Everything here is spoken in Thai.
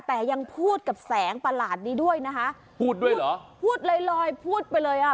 แต่ยังพูดกับแสงประหลาดนี้ด้วยนะคะพูดด้วยเหรอพูดลอยลอยพูดไปเลยอ่ะ